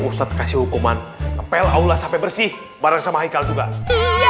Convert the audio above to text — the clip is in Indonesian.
ustadz kasih hukuman kepel allah sampai bersih bareng sama ikal juga juga eh eh eh